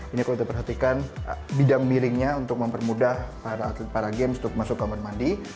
ini kalau diperhatikan bidang miringnya untuk mempermudah para atlet para games untuk masuk kamar mandi